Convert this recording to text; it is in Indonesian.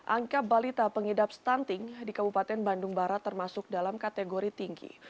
angka balita pengidap stunting di kabupaten bandung barat termasuk dalam kategori tinggi